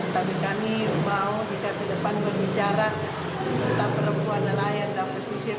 tapi kami mau kita ke depan berbicara tentang perempuan nelayan dan pesisir